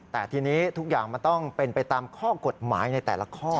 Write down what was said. แต่ทีนี้ทุกอย่างมันต้องเป็นไปตามข้อกฎหมายในแต่ละข้อ